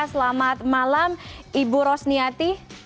selamat malam ibu rosniati